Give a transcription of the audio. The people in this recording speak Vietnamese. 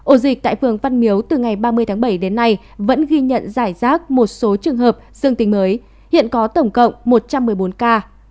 ổ dịch tại phường văn miếu từ ngày ba mươi tháng bảy đến nay vẫn ghi nhận giải rác một số trường hợp dương tình mới hiện có tổng cộng một trăm một mươi bốn ca